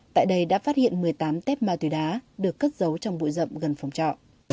tại đây đã phát hiện một mươi tám tép ma túy đá được cất giấu trong bụi rậm gần phòng trọ